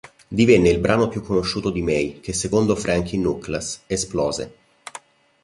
Divenne il brano più conosciuto di May, che secondo Frankie Knuckles, "esplose.